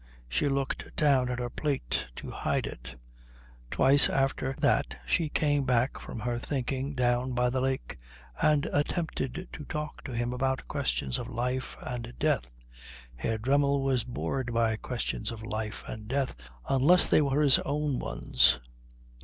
She looked down at her plate to hide it. Twice after that she came back from her thinking down by the lake and attempted to talk to him about questions of life and death. Herr Dremmel was bored by questions of life and death unless they were his own ones.